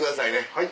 はい。